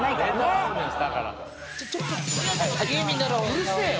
うるせえよ！